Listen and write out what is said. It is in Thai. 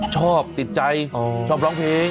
ชอบติดใจชอบร้องเพลง